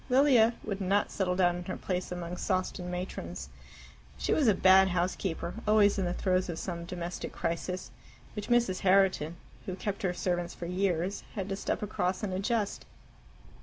Lilia would not settle down in her place among Sawston matrons. She was a bad housekeeper, always in the throes of some domestic crisis, which Mrs. Herriton, who kept her servants for years, had to step across and adjust.